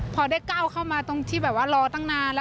พอได้เก้าเข้ามาตรงที่หรอกตั้งนาน